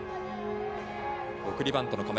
送りバントの構え。